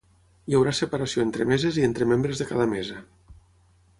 Hi haurà separació entre meses i entre membres de cada mesa.